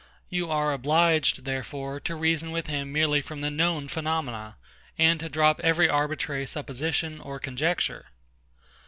You are obliged, therefore, to reason with him merely from the known phenomena, and to drop every arbitrary supposition or conjecture.